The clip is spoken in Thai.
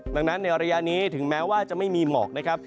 ดังนั้นในระยะนี้ถึงแม้ว่าจะไม่มีหมอกนะครับ